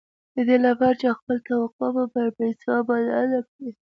د دې لپاره چې خپله توقع پر پيسو بدله کړئ.